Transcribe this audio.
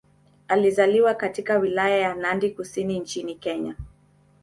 Alizaliwa katika Wilaya ya Nandi Kusini nchini Kenya.